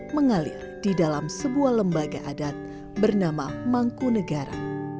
mengalir di dalam sebuah lembaga adat bernama mangku negara